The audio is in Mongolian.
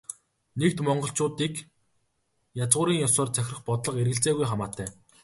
Нэгд, монголчуудыг язгуурын ёсоор захирах бодлого эргэлзээгүй хамаатай.